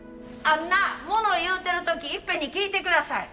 ・あんな物を言うてる時いっぺんに聞いて下さい。